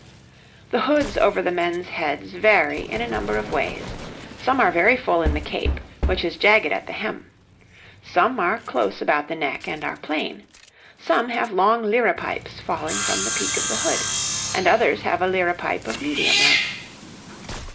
The hoods over the men's heads vary in a number of ways: some are very full in the cape, which is jagged at the hem; some are close about the neck and are plain; some have long liripipes falling from the peak of the hood, and others have a liripipe of medium length.